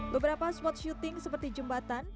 beberapa spot syuting seperti jembatan